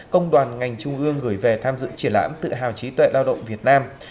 công đoàn ngành trung ương gửi về tham dự triển lãm tự hào trí tuệ lao động việt nam